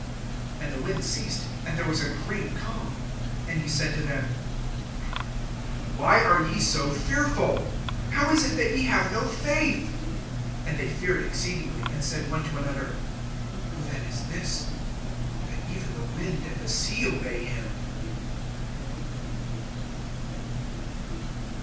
And the wind ceased, and there was a great calm. (40)And he said to them: Why are ye so fearful? How is it that ye have no faith? (41)And they feared exceedingly, and said one to another: Who then is this, that even the wind and the sea obey him?